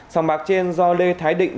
sòng bạc trên do lê thái định